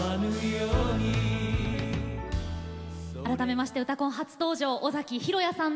改めまして「うたコン」初登場尾崎裕哉さんです。